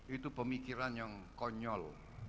itu pemikiran yang konyol